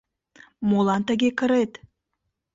Молан тыге кырет?!.